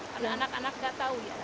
karena anak anak gak tau ya